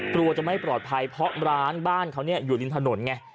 กลัวจะไม่ปลอดภัยเพราะร้านบ้านเขาอยู่ริมถนนไง